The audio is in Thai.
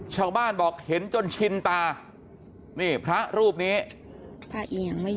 ชาวบ้านบอกเห็นจนชินตานี่พระรูปนี้